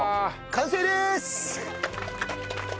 完成です！